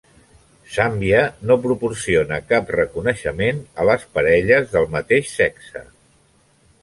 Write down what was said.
Zàmbia no proporciona cap reconeixement a parelles del mateix sexe.